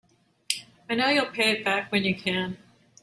I know you'll pay it back when you can.